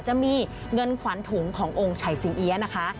จะมีเงินขวัญถุงขององค์ชัยสิงเอี๊ยะนะคะ